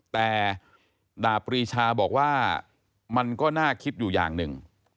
แต่ดาบปรีชาบอกว่ามันก็น่าคิดอยู่อย่างหนึ่ง